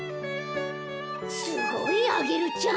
すごいアゲルちゃん！